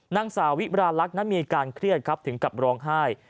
นางสาวิบราลักษณ์นั้นมีการเคลื่อนถึงกับร้องไห้